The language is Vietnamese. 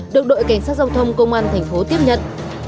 được đội cảnh sát giao thông công an tp tiếp nhận